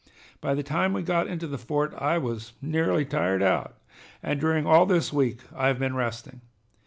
By the time we got into the fort I was nearly tired out, and during all this week I have been resting.